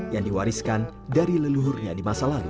yang diwariskan dari leluhurnya di masa lalu